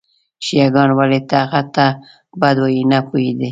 شیعه ګان ولې هغه ته بد وایي نه پوهېد.